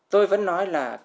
tôi vẫn nói là